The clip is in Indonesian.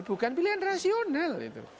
bukan pilihan rasional